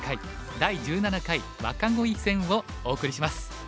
第１７回若鯉戦」をお送りします。